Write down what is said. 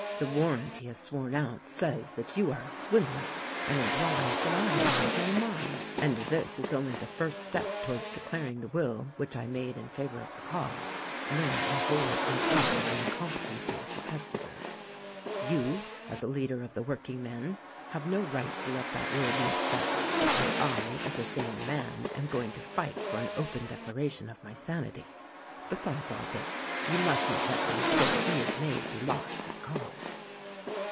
The warrant he has sworn out says that you are a swindler and implies that I am out of my mind, and this is only the first step towards declaring the will which I made in favor of the cause, null and void on account of the incompetency of the testator. "You, as a leader of the workingmen, have no right to let that will be upset; and I, as a sane man, am going to fight for an open declaration of my sanity. Besides all this, you must not let the mistake he has made be lost to the cause."